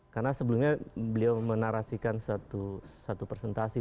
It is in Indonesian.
karena sebelumnya beliau menarasikan satu presentasi